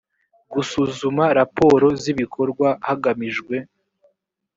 gusuzuma raporo z ibikorwa hagamijwe